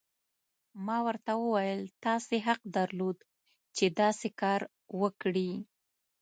ما ورته وویل: تاسي حق درلود، چې داسې کار وکړي.